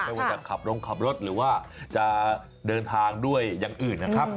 ไม่ว่าจะขับลงขับรถหรือว่าจะเดินทางด้วยอย่างอื่นนะครับ